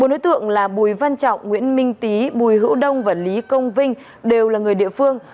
bốn đối tượng là bùi văn trọng nguyễn minh tý bùi hữu đông và lý công vinh đều là người địa phương